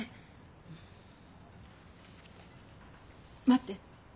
待って！